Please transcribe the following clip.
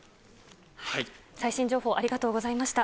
最新情報ありがとうございました。